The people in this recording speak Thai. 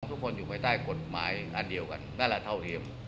ทุกคนอยู่ภายใต้กฎหมายอันเดียวกันนั่นแหละเท่าเทียม